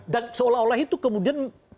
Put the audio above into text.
dan seolah olah itu kemudian